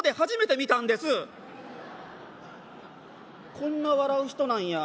こんな笑う人なんや。